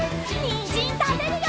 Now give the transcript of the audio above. にんじんたべるよ！